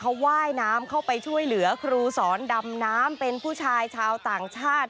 เขาว่ายน้ำเข้าไปช่วยเหลือครูสอนดำน้ำเป็นผู้ชายชาวต่างชาติ